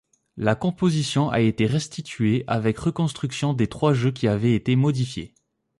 La composition a été restituée, avec reconstruction des trois jeux qui avaient été modifiés.